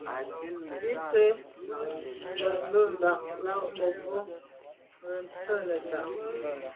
Bì sə̂’ lá’ ndɛ̂mbə̄bɑ̌k lá mə̀bró ŋgə́ tswə́ nə̀tá.